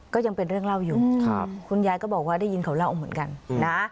ก็ยังเป็นเรื่องเล่าอยู่คุณยายก็บอกว่าได้ยินเขาเล่าเหมือนกันนะ